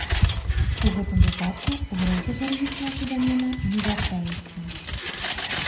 У гэтым выпадку грошы за рэгістрацыю дамена не вяртаюцца.